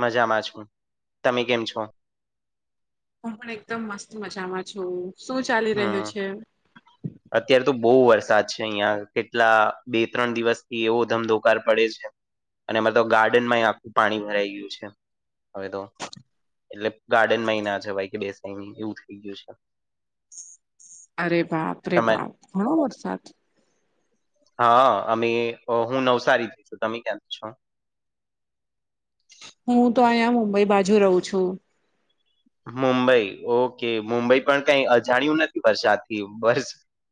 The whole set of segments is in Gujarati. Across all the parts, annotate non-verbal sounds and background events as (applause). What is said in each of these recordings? મજામાં છું તમે કેમ છો. હું પણ એકદમ મસ્ત મજામાં છું શું ચાલી રહ્યો હમ છે. અત્યારે તો બહુ વરસાદ છે અહિયાં કેટલા બે ત્રણ દિવસથી એવો ધમધોકાર પડે છે. અને મતલબ ગાર્ડન માં આખું પાણી ભરાઈ ગયું છે. હવે તો એટલે ગાર્ડનમાંય ના છે ભ કે બેસઈ એવું થઈ ગયું છે. અરે બાપ રરે તમે બાપ ઘણો વરસાદ હા અમે હું નવસારી જઈશું તમે છો હું તો અહીંયા મુંબઈ બાજુ રહું છું મુંબઈ ઓકે મુંબઈ પણ કઈ અજાણ્યું નથી વરસાાદથી બરસ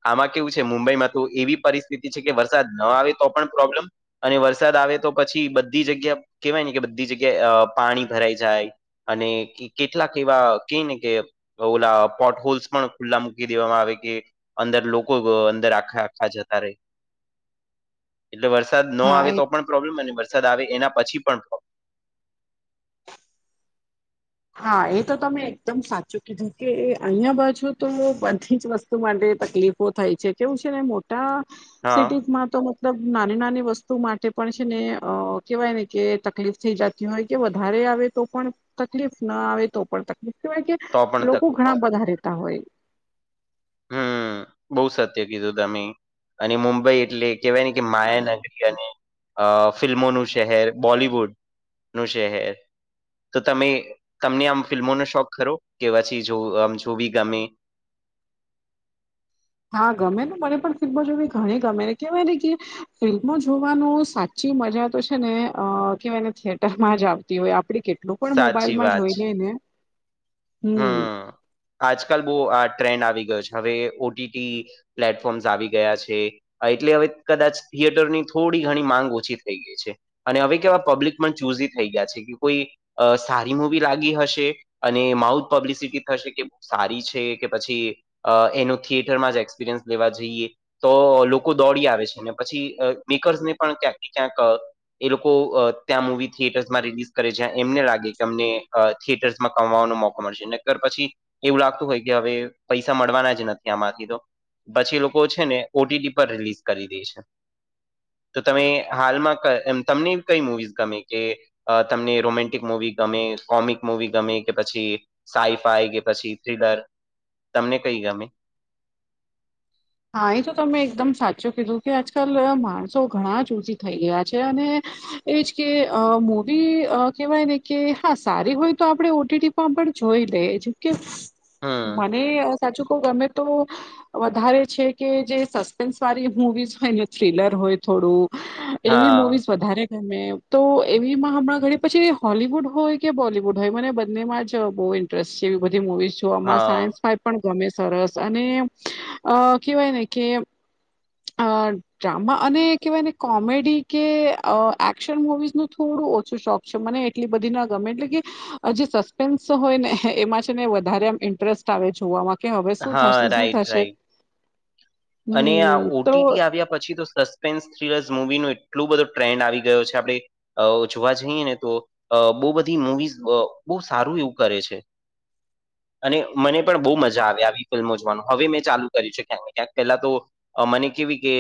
આમાં કેવું છે મુંબઈમાં તો એવી પરિસ્થિતિ છે કે વરસાદ ન આવે તો પણ પ્રોબ્લેમ. અને વરસાદ આવે તો પછી બધી જગ્યા કેહેવાય ને કે બધી જગ્યાએ પાણી ભરાઈ જાય. અને કેટલાક એવા ક ને કે ઓલા પોર્ટ હોોલ્સ પણ ખુલ્લા મૂકી દેવામાં આવે કે અંદર લોકો અંદર આખા આખા જતા ર (inaudible) એટલે વરસાદ ન હા આવે એ તો પણ પ્રોબ્લેમ અને વરસાદ આવે એના પછી પણ પ્રોબ્લેમ. હા એ તો તમે એકદમ સાચું કીધું કે અહિયાં બાછુ તો બધી જ વસ્તુ માટે તકલીફ થાય છે કેવું છે ને મોટા, હા સિટીમાં તો મતલબ નાની નાની વસ્તુ માટે પણ છે ને કહેવાય ને કે તકલીફ થઈ જતી હોય કે વધારે આવે તો પણ તકલીફ ના આવે તો પણ તકલીફ કેવાય કે, તો પણ લોકો ઘણા તકલીફ બધા રહેેતા હોય. બઉુ સત્ય કીધું તમે, અને મુંબઈ એટલે કેવાય ને કે માયાનગરી અને અ ફિલ્મોનું શહેર બોલિવુડ નું શહેર. તો તમે તમને આમ ફિલ્મોનો શોખ ખરો કે પછી જો આમ જોવી ગમે હા ગમે ને મને પણ ફિલ્મો જોવી ઘણી ગમે કેવાય કે ફિલ્મો જોવાનું સાચું સાચી મજા તો છે ને અ કેવાયને થિયેટર માં જ આવતી હોય આપે કેટલી એલું પણ સાચી મોબાઈલમાં વાત જોઈ છે લઈ ને હમ આજકાલ બહુ આ ટ્રેન્ડ આવી ગયો છે હવે ઓટીટી પ્લેટફોર્મ્સ આવી ગયા છે હા એટલે હવે કદાચ થિયેટર ની થોડી ઘણી માંગ ઓછી થઈ ગઈ છે અને હવે કેવા પબ્લિક પણ ચૂઝ થઈ ગયા છે કે કોઈ અ સારી મૂવી લાગી હશે અને માઉથ પબ્લિસિટી થશે કે બહ સારી છે કે પછી અ એનો થિયેટરમાં જ એક્સપિરિયન્સ લેવા જઈએ તો લોકો દોડી આવે છે ને પછી મેકર્સને પણ ક્યાંક ને ક્યાંક એ લોકો ત્યાં મૂવી થિયેટર્સમાં રિલીઝ કરે જ્યા એમને લાગે કે અમને થિયેટર્સમાં કમવાનો મોકો મળશે નકર પછી એવું લાગતું હોય કે હવે પૈસા મળવાના જ નથી આમાંથી તો પછી લોકો છે ને ઓટીટી પર રિલીઝ કરી દે છે તો તમે હાલમાં તમનેવી કઈ મુવીઝ ગમે કે તમને રોમેન્ટિક મુવી ગમે કોમિક મુવી ગમે કે પછી સાઈફાઈ કે પછી થ્રીલર તમને કઈ ગમે હા એ તો તમે એકદમ સાચું કીધું કે આજકાલ માણસો ઘણા ચુઝી થઈ ગયા છે અને એજ કે મૂવી કહેવાય ને કે હા સારી હોય તો આપણે ઓટીટી પણ જોઈ લે જો કે હમ મને સાચું કવ ગમે તો વધારે છે કે જે સસ્પેન્સ વાળી મવીસ હોય ને થ્રીલર હોય થોડું એવી હા મુવીઝ વધારે ત તો એવીમાં હમણાં ઘણી પછી હોલીવુડ હોય કે બોલીવુડ હોય મને બંને માં જ બહુ એ બધી મુવીઝ આમાં હા સાયન્સ ફાઈ પણ ગમે સરસ અને કવાય ને કે અ ડ્રામા અને કહેવાય ને કોમેડી કે એક્શન મુવીઝ ન થોડું ઓછું શોખ. મને એટલી બધી ના ગમે એટલે કે જે સસ્પેન્સ હોય ને એમાં છે ને વધારે આમ ઇન્ટરેસ્ટ આવે હા રાઈટ જોવામાં. રાઈટ (unintelligible) અને આ હમ તો ઓબીટી ટી આવ્યા પછી તો સસ્ થલસ મવી ન એટલોું બધો ટ્રેન્ડ આવી ગયો છે આપડણે જોવા જઈએ ને તો. અ બહુ બધી મવીઝ બહુ સારું એવું કરે છે. અને મને પણ બહુ મજા આવે આવી ફિલ્મો જોવાનું હવે મેં ચાલુ કરી્યું છેું ક્યાંક ને ક્યાંક. પેલા તો મને કેવી કે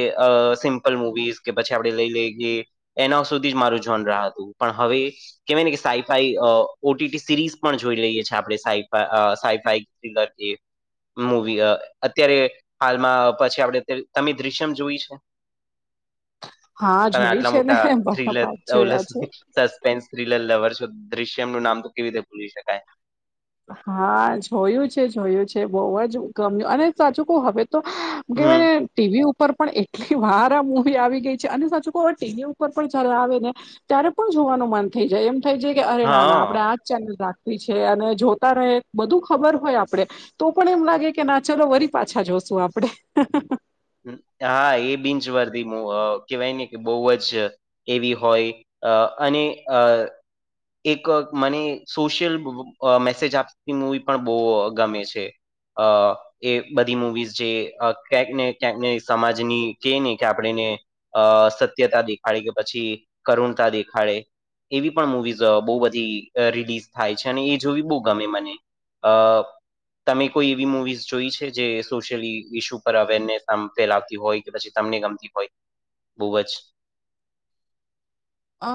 સિમ્પલ મુવીઝ કે પછી આપણે લઈ લઈ. એના સુધી જ મારું જોન રહ હતું પણ હવે કેવાય ને કે સાઈફાઈ ઓટીટી સિરીઝ પણ જોઈ લઈએ આપડણે સાઈફ સાઈફાઈ મૂવી અત્યારે હાલમાં પછી આપડે તમે દ્રશ્યમ જોય છે? હા તમે જોઈ આટલા છે ને મોટા બધા થ્રીલ ભાગ જોયા છે. સસ્પેન્સ થ્રીલર લવર છો દ્રશ્યમ નું નામ તો કેવી રીતે ભૂલી શકાય. હા જોયું છે જોયું છે બહુ જ ગમ્યું અને સાચું ક હવે તો. કેવાય હમ ને ટીવી ઉપર ઉપ પણ એટલી વાર આ મુવી આવી ગઈ છે અને સાચું કવે ટીવી ઉપર પણ જારે આવે ને ત્યારે પણ જોવાનું મન થઈ જાય એમ થઈ જાય કે અરે નાના હા આપણેે આજ ચેનલ રાખવી છે અને જો તારે બધું ખબર હોય આપડે તો પણ એમ લાગે કે ના ચલો વરી પાછા જોશું આપડે. હા એ બિચ વરથી કેવાય ને કે બોવ જ એવી હોય અ અને અ એક મને સોશિયલ મેસેજ આપતી મૂવી પણ બહુ ગમે છે. અ એ બધી મુવીઝ જે કંક ને ક્યાંકને સમાજની જે ને કે આપણેને અ સત્યતા દેખાડી કે પછી કરુણતા દેખાડે એવી પણ મુવીઝ બહુ બધી રિલીઝ થાય છે અને એ જોવી બહુ ગમે મને. અ તમે કોઈ એવી મુવીિઝ જોઈ છે જે સોશિયલ ઇશ્યુ પર અવેરનેસ ત ફેલાવતી હોય કે પછી તમને ગમતી હોય બહુ જ. અ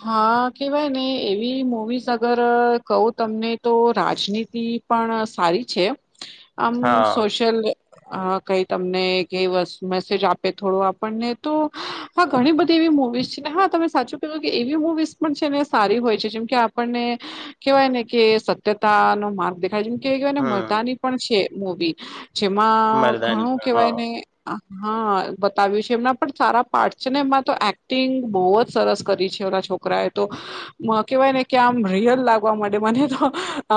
હા કેહેવાય ને એવી મવીિઝ અગર કહું તમને તો રાજનીતિ પણ સારી છે. આમ હા સોશિયલ અ કઈ તમને કઈ મેસેજ આપે થોડો આપણને તો હા ઘણી બધી એવી મુવીઝ છે ને હા તમે સાચું કેું કે એવી મુૂવીઝ પણ છે ને સારી હોય છે જેમ કે આપણને કેવાય ને કે સત્યતા નો માર્ગે કે કવાય ને હમ મદાની પણ છે મવી જેમાં મરદાની ઘણું પણ હા કેહેવાયને હા બતાવ્યું છે એમના પણ સારા પાર્ટ છે ને એમાં તો એક્ટિંગ બહુ જ સરસ કરી છે ઓના છોકરા એ તો કેહેવાય ને કે આમ રિયલ લાગવા માટે મને તો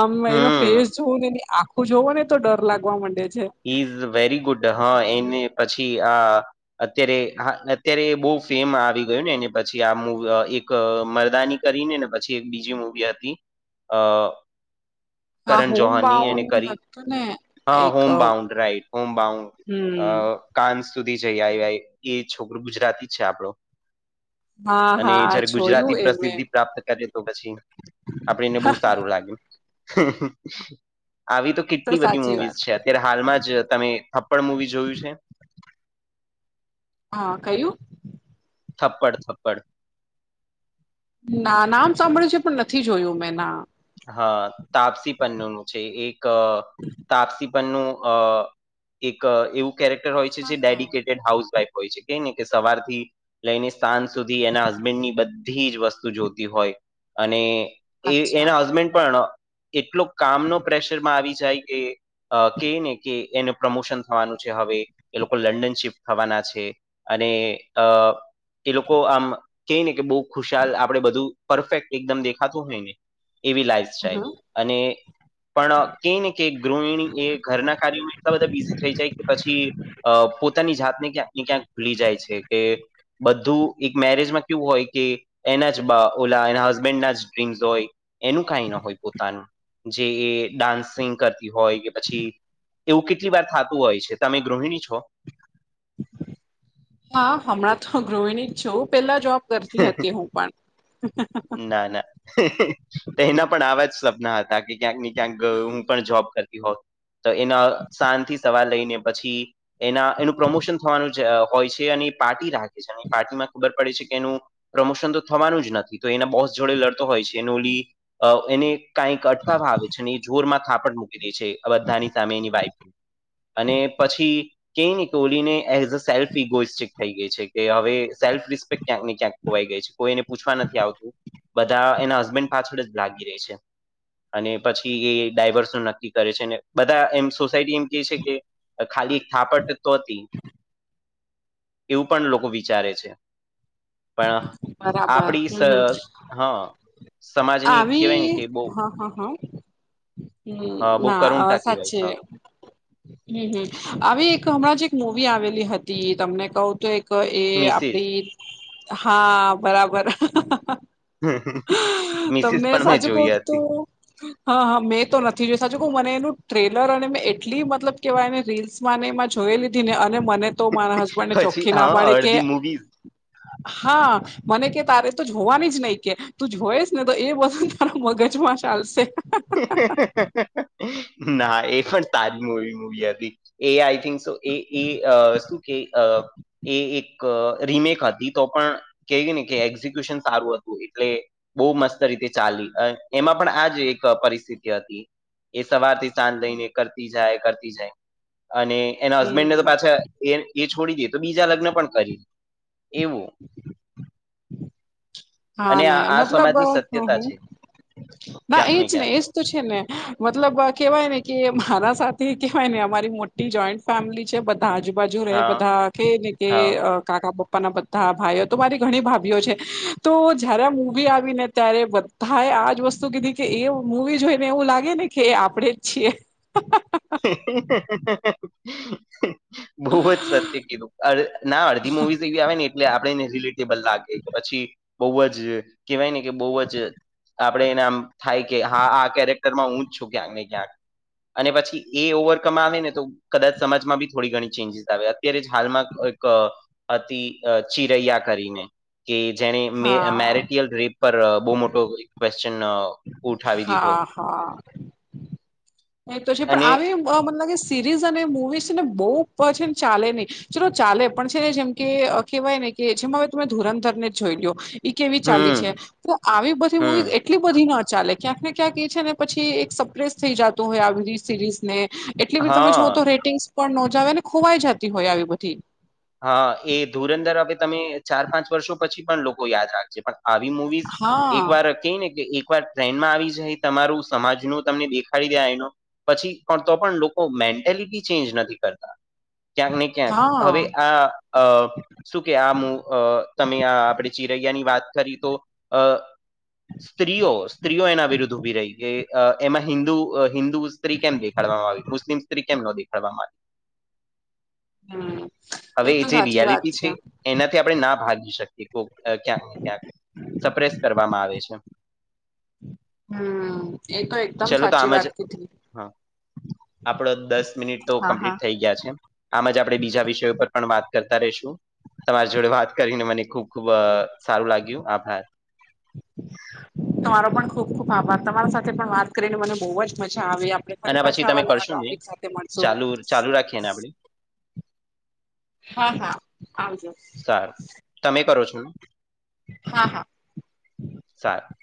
આમ એનો હમ ફેસ જોવું ને એ આખું જોવું ને તો ડર લાગવા માંડે છે. ઈઝ વેરી ગુડ હા એને પછી આ અત્યારે હા અત્યારે બહ ફેમ આવી ગયયો ને એ પછી આ મુ એક એક મરદાની કરીને ને પછી એક બીજી મૂવી હતી અ હા કરણ હોમ જોહાની એને બાઉન્ડ કરી હતું ને હા એક હોમ અ બાઉન્ રાઈટ હોમમ બાઉ અ હમ કાન સુધી જઈ આવ એ છોકરોું ગુજરાતી જ છે આપણો (inaudible) અને હા જયારે ગુજરાતી જોયું એ મેં પ્રસિદ્ધિ પ્રાપ્ત કરે તો પછી આપેને બહુ સારું લાગે. આવી તો કેટલી બધી સાચી મુવીઝ વાત છે. ત્યારે હાલમાં જ તમે થપ્પડ મૂવી જોયું છે? હા કયું? થપ્પડ થપ્પડ. ના નામ સાંભળ્યું છે પણ નથી જોયું મેં ના. હા તાપસી પન્નુ છે એક તાપસી પન્નું અ એક એવું કેરેક્ટર હોય છે હા જે હા ડેડિકેટેડ હાઉસ વાઈફ હોય છે કે ને કે સવારથી લઈને સાંજ સુધી એના હસબેન્ડ ની બધી જ વસ્તુ જોતી હોય અને એ અચ્છા એના હસબેન્ડ પણ એટલો કામનો પ્રેશરમાં આવી જાય કે અ કે ને કે એને પ્રમોશન થવાનું છે હવે એ લોકો લંડન શિફ્ટ થવાના છે. અને અ એ લોકો આમ ક ને કે બહુ ખુશાલ આપડે બધું પરફેક્ટ એકદમ દેખાતું હોય ને એવી લાઈફ સ્ટાઇલ હમ અને પણ કેય ને કે ગૃહિણી એ ઘરના કાર્યોમાં એટલા બધા બિઝી થઈ જાય કે પછી અ પોતાની જાતને ક્યાંક ને ક્યાંક ભૂલી જાય છે કે બધું એક મેરેજમાં કેવું હોય કે એના જ ઓલા એના હસબેન્ડ ના જ ડ્રીમ્સ હોય એનું કાઈ ન હોય પોતાનું જે એ ડાન્સિંગ કરતી હોય કે પછી એવું કેટલી વાર થાતું હોય છે તમે ગૃહિણી છો હા હમણાં તો ગૃહિણી જ છું પેલા જોબ કરતી હતી હું પણ ના ના તો એના પણ આવા જ સપના હતા કે ક્યાંક ને ક્યાંક હું પણ જોબ કરતી હોઉ તો એના શાંજથી સવાર લઈને પછી એના એનું પ્રમોશન થવાનું જ હોય છે અને એ પાર્ટી રાખે છે અને પાર્ટીમાં ખબર પડે છે કે એનું પ્રમોશન તો થવાનું જ નથી તો એના બોસ જોડે લડતો હોય છે એનો ઓલી એને કઈક અટકાવવા આવે છે ને એ જોર માં થાપડ મૂકી દે છે બધાની સામે એની વાઈફ અને પછી કેને ઓલીને એઝ અ સેલ્ફ ઇગોઇસ્ટિક થઈ ગઈ છે કે હવે સેલ્ફ રિસ્પેક્ટ ક્યાંક ને ક્યાંક ખોવાઈ ગઈ છે કોઈ એને પૂછવા નથી આવતું બધા એના હસબન્ડ પાછળ જ લાગી રે છે અને પછી એ ડાયવર્સ નું નક્કી કરે છે ને બધા એમ સોસાયટી એમ કે છે કે ખાલી એક થાપટ તો હતી એવું પણ લોકો વિચારે છે પણ બરાબર આપડી હમ શ હમ હ સમાજની આવી કહેવાય ને કે બો હા હા હા હમ ના કરુણતા કહેવાય સાચે હા હમ હમ આવી એક હમણાં જ એક મૂવી આવેલી હતી તમને કવ તો એક કે એ મિસિસ આપડી હા બરાબર. હ! તમને સાચું કઉ તો હા હા, મેં તો નથી જોઈ સાચુ કવ મને એનું ટ્રેલર અને મે એટલી મતલબ કેવાય ને રીલ્સ. એમાં ને એમાં જોયે લીધી ને અને મને તો મારા હસબન્ડ ને પછી ચોખ્ખી ના હા પાડે કે. અડધી મૂવી હા મને કે તારે તો જોવાની જ નહી કે. તું જોઈસ ને તો એ બધું તારું મગજમાં ચાલશે. ના એ પણ તાજમવી મુવી હતી. એ આઈ થિંક શો એ અ એ શું કે. એ એક રીમેક હતી તો પણ કેય ને કે એક્ઝિક્યુશન સારું હતું એટલે. બો મસ્ત રીતે ચાલી એમાં પણ આજ એ પરિસ્થિતિ હતી એ સવારથી સાંજ લઈને કરતી જાય કરતી જાય અને. એના હસબેન્ડ ને તો હમ પાછા એ છોડી દે તો બીજા લગ્ન પણ કરી. એવું. હા અને ને આ આ મતલબ સમાજની હ સત્યતા હ છે ના ક્યાંક એ ને જ. ક્યાંક એજ તો છે ને મતલબ કેવાય ને કે મારા સાથ થે કહેવાય ને અમારી મોટી જોઈન્ટ ફેમિલી છે બધા આજુબાજુ રેહ હા બધા કેઈ ને કે. હા કાકા પપ્પા ના બધા ભાઈઓ તો મારી ઘણી ભાભીઓ છે. તો જયારે આ મુવી આવી ને ત્યારે બધાએ આજ વસ્તુ કીધી કે એ મુવી જોઈને એવું લાગે ને. કે આપણેે જ છીએ. હ! બો અજ સત્ય કીધું ના અડધી મુવીઝ લગી આવે ને એટલે આપણે તે પણ લાગે કે પછી બોહ જ કેહેવાય ને કે બોહ જ. આપે એને આમ થાય કે હા આ કેરેક્ટરમાં હું જ છું ક્યાંક ને ક્યાંક અને પછી. એ ઓવરકમ આવે ને તો કદાચ સમાજમાં બી થોડી ઘણી ચેન્જીસ આવે અત્યારે જ હાલમાં એક. અતિ ચિરૈયા કરીને. કે જેને હા મેરટયલ રેપ પર બહુ મોટો એક ક્વેશ્ચન. ઉઠાવી દીધો હા હા. એ પછી પણ અને આવે એવું બ મન લાગે સિરીઝ અને મૂવીઝ ને બહુ પછી ન ચાલે નહી ચલો ચાલે પણ છે જેમ કે અ કહેવાય ને કે જેમાં હવે તમે ધુરંધર ને જ જોઈ લ્યો. એ કેવી ચાલી છે હમ તો આવી બધી મૂવીઝ હમ એટલી બધી નો ચાલે. ક્યાંક ને ક્યાંક એ છે ને પછી એક સરપ્ર્રેઝ થઈ જતો હોય આવી બઘી સિરીઝ ને. એટલી બધી તમે હા જોુઓ તો રેટિંગ્સ પણ નોજ આવે ને ખોવાઈ જતી હોય આવી બધી. હા, એ ધુરંદર હવે તમે ચાર પાંચ વર્ષો પછી પણ લોકો યાદ રાખજે પણ. આવી મુવીઝ હા એક વાર હતી ને કે એકવાર ટ્રેનમાં આવી જાય તમારું સમાજ નું તમને દેખાડી દે આઇનો. પછી પણ તો પણ લોકો મેન્ટેલિટી ચેન્જ નથી કરતા ક્યાંક ને ક્યાંક હા હવે હા અ શું કે આમુંઅ તમે આપડે ચિરૈયા ની વાત કરી તો અ સ્ત્રીઓ સ્ત્રીઓ એના વિરુદ્ધ ઉભી રહી કે અ એમાં હિન્દુ અ હિન્દુ સ્ત્રી કેમ દેખાડવામાં આવી મુસ્લિમ સ્ત્રી કેમ ન દેખાડવામાં આ હમ. હવે એ તો જે સાચી વાત રિયાલિટી છે એનાથી આપણે ના ભાગી શકીએ કો ક્યાંક ને ક્યાંક. સપ્રેસ કરવામાં આવે છે. હમ, એ તો એકદમ સાચી વાત કીધી. આપડ દસ મિનિટ તો હા હા કમ્પ્લીટ થઈ ગયા છે. આમ જ આપડે બીજા વિશ જેપટન વાત કરતા રેશું. તમારી જોડે વાત કરીને મને ખુબ ખુબ અ સારું લાગ્યું આભાર. તમારો પણ ખુબ ખુબ આભાર તમારા સાથે પણ વાત કરીને મને બહુ જ મજા આવે આપડે. આના ફરી પછી પાછા તમે આવા નવા કરશો ને ટોપિક સાથે મળશો. ચાલુ ચાલુ રાખીએ ને આપણે હા હા આવજો. સારું તમે કરો છો? હા હા. સાર